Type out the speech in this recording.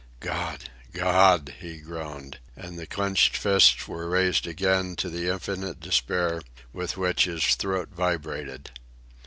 "God! God!" he groaned, and the clenched fists were raised again to the infinite despair with which his throat vibrated.